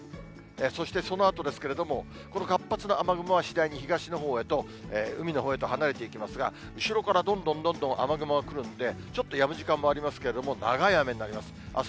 そしてそのあとですけれども、この活発な雨雲は次第に東のほうへと、海のほうへと離れていきますが、後ろからどんどんどんどん雨雲来ますんで、ちょっと長い雨になります。